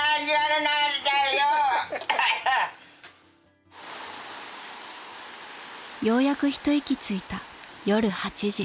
［ようやく一息ついた夜８時］